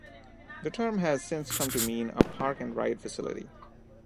The term has since come to mean a park and ride facility.